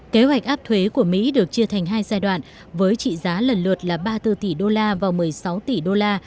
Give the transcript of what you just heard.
kế hoạch áp thuế của mỹ được chia thành hai giai đoạn với trị giá lần lượt là ba mươi bốn tỷ đô la và một mươi sáu tỷ đô la